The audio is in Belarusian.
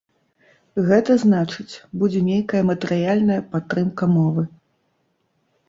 Гэта значыць, будзе нейкая матэрыяльная падтрымка мовы.